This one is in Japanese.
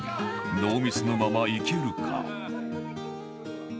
ノーミスのままいけるか？